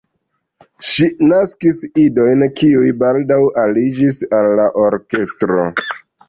Ŝi naskis idojn, kiuj baldaŭ aliĝis al la orkestro.